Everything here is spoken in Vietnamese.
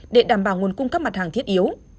để đảm bảo nguồn cung cấp mặt hàng thiết yếu